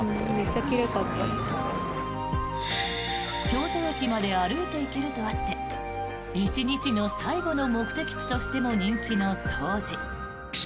京都駅まで歩いて行けるとあって１日の最後の目的地としても人気の東寺。